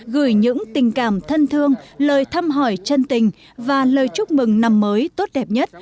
gửi những tình cảm thân thương lời thăm hỏi chân tình và lời chúc mừng năm mới tốt đẹp nhất